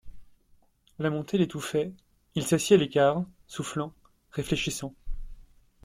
La montée l’étouffait, il s’assit à l’écart, soufflant, réfléchissant.